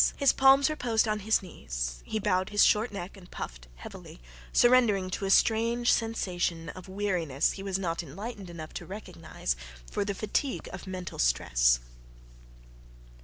His palms reposed on his knees, he bowed his short neck and puffed heavily, surrendering to a strange sensation of weariness he was not enlightened enough to recognize for the fatigue of mental stress.